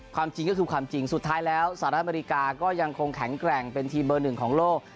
ความจริงก็คือความจริงสุดท้ายแล้วสหรัฐอเมริกาก็ยังคงแข็งแกร่งเป็นทีมเบอร์หนึ่งของโลก